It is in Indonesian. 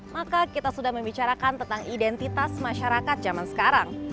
maka kita sudah membicarakan tentang identitas masyarakat zaman sekarang